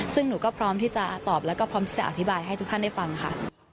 ซึ่งหนูก็พร้อมที่จะตอบแล้วก็พร้อมจะอธิบายให้ทุกท่านได้ฟังค่ะ